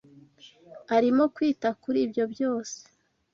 Arimo kwita kuri ibyo byose.